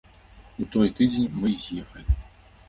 У той тыдзень мы і з'ехалі.